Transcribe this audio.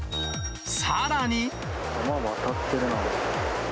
川、渡ってるな。